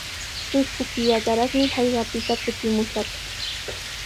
Trusku killataraqmi hallqapita kutimushaq.